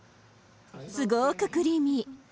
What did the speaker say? すごくクリーミー。